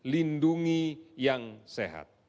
lindungi yang sehat